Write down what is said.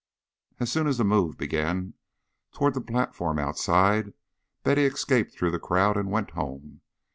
As soon as the move began toward the platform outside, Betty escaped through the crowd and went home.